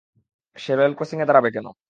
সে rail ক্রসিংয়ে দাঁড়াবে কেন?